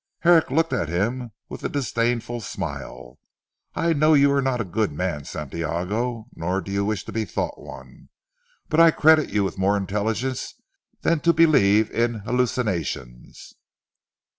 Herrick looked at him with a disdainful smile. "I know you are not a good man Santiago, nor do you wish to be thought one. But I credited you with more intelligence than to believe in hallucinations."